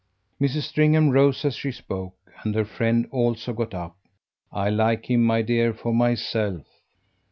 Mrs. Stringham rose as she spoke, and her friend also got up. "I like him, my dear, for myself."